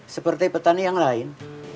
seperti petani yang lain